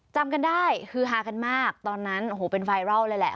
จำกันได้ฮือฮากันมากตอนนั้นโอ้โหเป็นไวรัลเลยแหละ